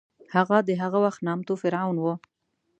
هغه د هغه وخت نامتو فرعون و.